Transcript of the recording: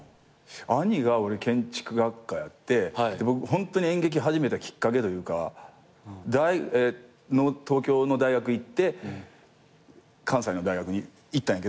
兄が建築学科やってホントに演劇始めたきっかけというか東京の大学行って関西の大学に行ったんやけど。